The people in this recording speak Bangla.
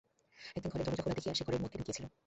একদিন ঘরের দরজা খোলা দেখিয়া সে ঘরের মধ্যে ঢুকিয়াছিল।